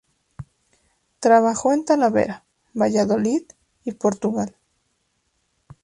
Trabajó en Talavera, Valladolid y Portugal.